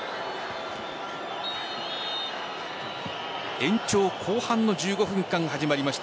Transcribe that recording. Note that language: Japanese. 延長後半の１５分間始まりました。